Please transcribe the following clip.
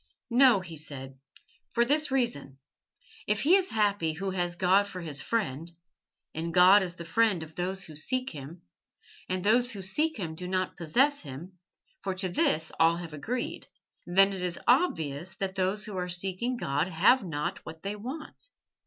"No," he said, "for this reason. If he is happy who has God for his friend (and God is the friend of those who seek Him, and those who seek Him do not possess Him, for to this all have agreed), then it is obvious that those who are seeking God have not what they want.